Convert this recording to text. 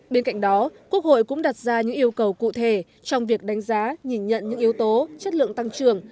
bên cạnh đó quốc hội cũng đặt ra những yêu cầu cụ thể trong việc đánh giá nhìn nhận những yếu tố chất lượng tăng trưởng